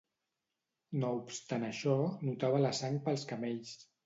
No obstant això, notava la sang pels canells.